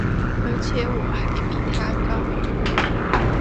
而且我還比他高